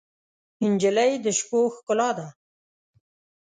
نجلۍ د شپو ښکلا ده.